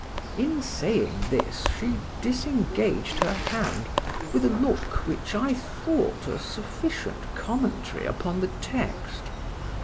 In saying this, she disengaged her hand with a look which I thought a sufficient commentary upon the text.